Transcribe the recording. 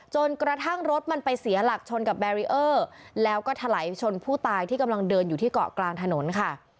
จนกระทั่งรถมันไปเสียหลักชนกับแบรีเออร์แล้วก็ถลายชนผู้ตายที่กำลังเดินอยู่ที่เกาะกลางถนนค่ะ